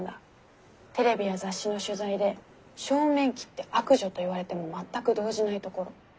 テレビや雑誌の取材で正面切って悪女と言われても全く動じないところ。